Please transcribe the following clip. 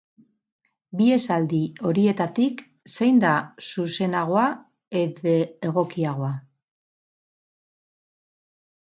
Bi esaldi horietatik, zein da zuzenagoa ed egokiagoa?